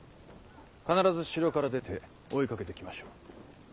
必ず城から出て追いかけてきましょう。